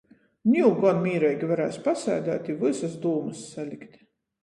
Niu gon mīreigi varēs pasēdēt i vysys dūmys salikt.